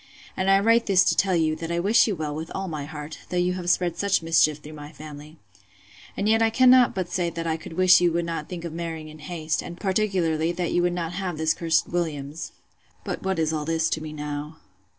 And I write this to tell you, that I wish you well with all my heart, though you have spread such mischief through my family.—And yet I cannot but say that I could wish you would not think of marrying in haste; and, particularly, that you would not have this cursed Williams.—But what is all this to me now?